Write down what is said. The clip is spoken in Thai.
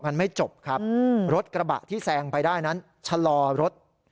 มันไม่จบครับรถกระบะที่แซงไปได้นั้นชะลอรถ